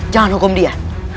jangan hukum dia